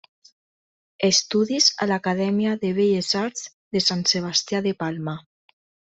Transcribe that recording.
Estudis a l'acadèmia de Belles Arts de Sant Sebastià de Palma.